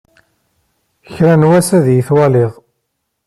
Kra n wass, ad iyi-twaliḍ.